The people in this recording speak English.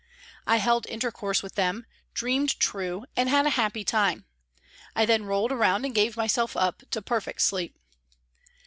I held intercourse with them, " dreamed true," and had a happy time. I then rolled round and gave myself up to perfect sleep.